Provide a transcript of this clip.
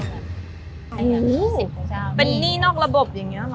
ฮูเป็นหนี้นอกระบบ